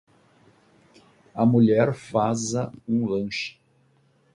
A mulher faza um lanche.